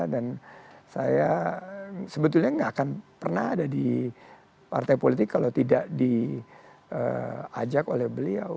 dan saya sebetulnya gak akan pernah ada di partai politik kalau tidak diajak oleh beliau